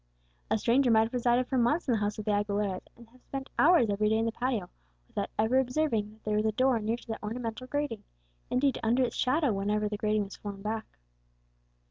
A stranger might have resided for months in the house of the Aguileras, and have spent hours every day in the patio, without ever observing that there was a door near to the ornamental grating indeed, under its shadow whenever the grating was thrown back.